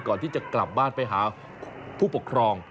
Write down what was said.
ก่อนที่จะกลับบ้านไปหาผู้ปกครอง